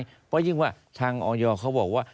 เพราะยิ่งว่าทางออยเขาบอกว่า